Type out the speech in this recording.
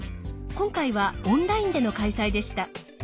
今回はオンラインでの開催でした。